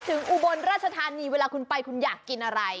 อุบลราชธานีเวลาคุณไปคุณอยากกินอะไร